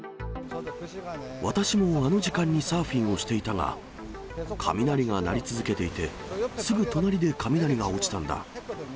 私もあの時間にサーフィンをしていたが、雷が鳴り続けていて、すぐ隣で雷が落ちたんだ。